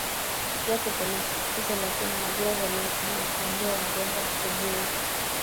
Jacob alimsisitiza lakini magreth alimsihi na kumambia wangeenda asubuhi